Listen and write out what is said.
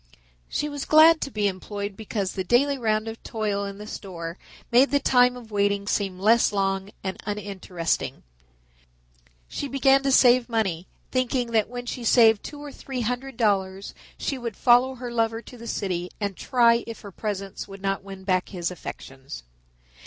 She was glad to be employed because the daily round of toil in the store made the time of waiting seem less long and uninteresting. She began to save money, thinking that when she had saved two or three hundred dollars she would follow her lover to the city and try if her presence would not win back his affections.